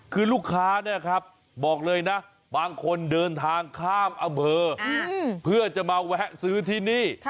คือลูกค้าเนี่ยครับบอกเลยนะบางคนเดินทางข้ามอำเภอเพื่อจะมาแวะซื้อที่นี่